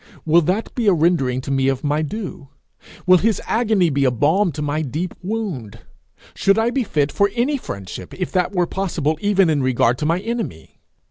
Will that be a rendering to me of my due? Will his agony be a balm to my deep wound? Should I be fit for any friendship if that were possible even in regard to my enemy?